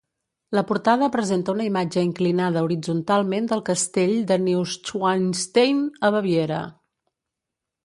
La portada presenta una imatge inclinada horitzontalment del castell de Neuschwanstein a Baviera.